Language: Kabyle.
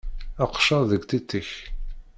Aqeccaḍ deg tiṭ-ik!